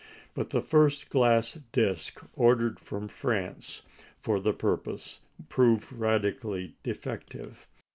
But the first glass disc ordered from France for the purpose proved radically defective.